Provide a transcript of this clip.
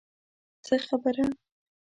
څه خبره.